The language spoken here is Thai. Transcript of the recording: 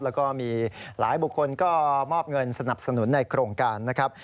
แล้วก็มีหลายบุคคลก็มอบเงินสนับสนุนในโครงการนะครับ